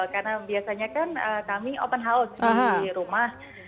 karena biasanya kan kami open house di rumah